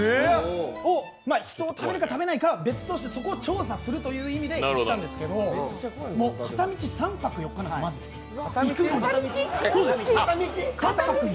人を食べるか食べないかは別としてそこを調査するというので行ったんですけど片道３泊４日なんですよ行くのに。